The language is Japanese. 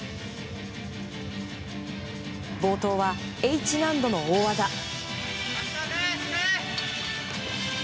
冒頭はＨ難度の大技。